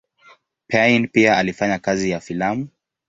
Payn pia alifanya kazi ya filamu.